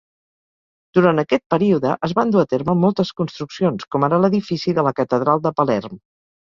Durant aquest període es van dur a terme moltes construccions, com ara l'edifici de la Catedral de Palerm.